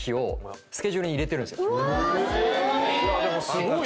すごい。